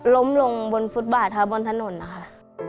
ล้มลงบนฟุตบาร์ทบนถนนค่ะ